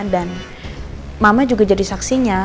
dan mama juga jadi saksinya